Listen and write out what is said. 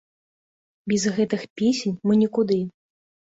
Без гэтых песень мы нікуды!